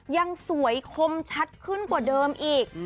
ยังสวยคมชัดขึ้นกว่าเดิมอีก